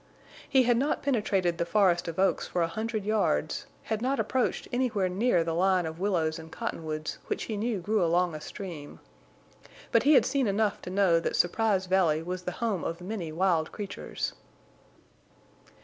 He had not penetrated the forest of oaks for a hundred yards, had not approached anywhere near the line of willows and cottonwoods which he knew grew along a stream. But he had seen enough to know that Surprise Valley was the home of many wild creatures.